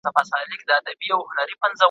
ښه کتاب د انسان تر ټولو ښه ملګری دی.